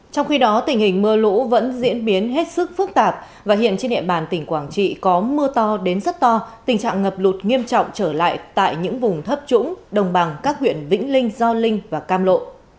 trong khi đó tình hình mưa lũ vẫn diễn biến hết sức phức tạp và hiện trên địa bàn tỉnh quảng trị có mưa to đến rất to tình trạng ngập lụt nghiêm trọng trở lại tại những vùng thấp trũng đồng bằng các huyện vĩnh linh do linh và cam lộ